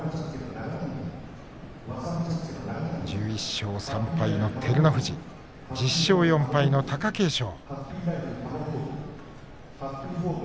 １１勝３敗の照ノ富士１０勝４敗の貴景勝。